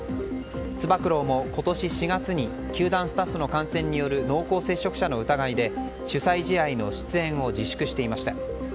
つば九郎も今年４月に球団スタッフの感染による濃厚接触者の疑いで主催試合の出演を自粛していました。